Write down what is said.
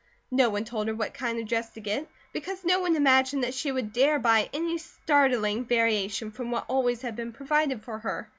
No one told her what kind of dress to get, because no one imagined that she would dare buy any startling variation from what always had been provided for her.